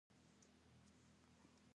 زه د لمر تودوخه خوښوم.